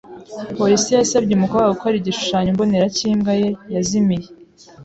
Polisi yasabye umukobwa gukora igishushanyo mbonera cy’imbwa ye yazimiye.